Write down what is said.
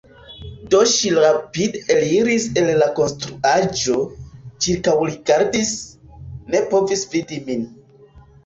Do ŝi rapide eliris el la konstruaĵo, ĉirkaŭrigardis, ne povis vidi min.